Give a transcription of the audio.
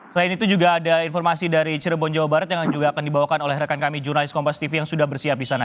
selain itu juga ada informasi dari cirebon jawa barat yang juga akan dibawakan oleh rekan kami jurnalis kompas tv yang sudah bersiap di sana